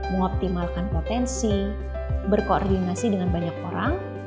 mengoptimalkan potensi berkoordinasi dengan banyak orang